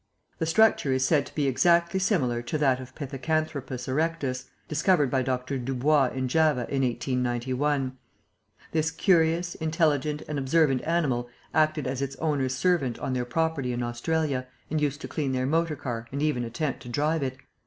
The structure is said to be exactly similar to that of Pithecanthropus erectus, discovered by Dr. Dubois in Java in 1891. "This curious, intelligent and observant animal acted as its owner's servant on their property in Australia and used to clean their motor car and even attempt to drive it.